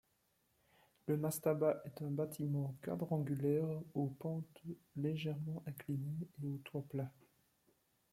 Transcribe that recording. Le mastaba est un bâtiment quadrangulaire aux pentes légèrement inclinées et au toit plat.